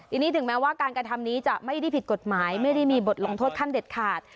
ทีนี้ถึงแม้ว่าการกระทำนี้จะไม่ได้ผิดกฎหมายไม่ได้มีบทลงโทษขั้นเด็ดขาด